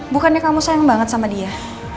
bukannya kamu sayang banget sama dia